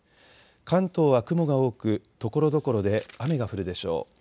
関東は雲が多くところどころで雨が降るでしょう。